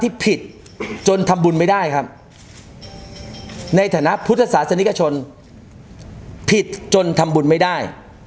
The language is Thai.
ที่ผิดจนทำบุญไม่ได้ครับในฐานะพุทธศาสนิกชนผิดจนทำบุญไม่ได้